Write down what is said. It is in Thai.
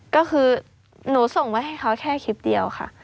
ก็คือหนูส่งไว้ให้เขาแค่คลิปเดียวค่ะ